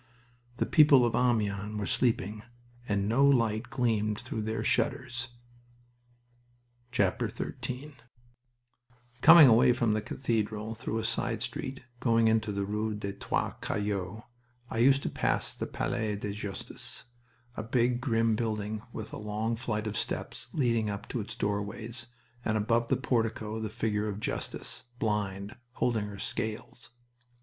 The people of Amiens were sleeping, and no light gleamed through their shutters. XIII Coming away from the cathedral through a side street going into the rue des Trois Cailloux, I used to pass the Palais de Justice a big, grim building, with a long flight of steps leading up to its doorways, and above the portico the figure of Justice, blind, holding her scales.